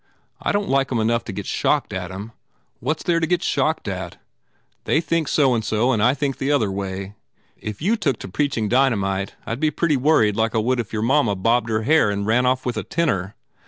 I don t like em enough to get shocked at em. What s there to get shocked at? They think so and so and I think the other way. If you took to preaching dynamite I d be pretty worried like I would if your mamma bobbed her hair and ran off with a tenor.